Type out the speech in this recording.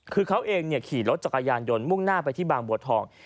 คือเขาเองขี่รถจักรยานยนต์มุ่งหน้าไปที่บางบัวทอง